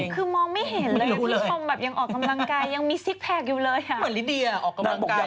คือมองไม่เห็นเลยที่ยังออกกำลังกายยังมียังมีสิ่งแพคอยู่เลยอะ